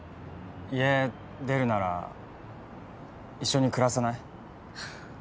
家出るなら一緒に暮らさない？